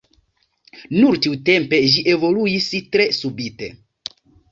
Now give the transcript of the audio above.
Nur tiutempe ĝi evoluis tre subite.